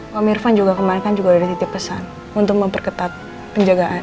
pak mirvan juga kemarin kan juga udah dititip pesan untuk memperketat penjagaan